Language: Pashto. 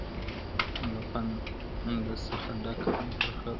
هم له پنده څخه ډکه هم ترخه ده-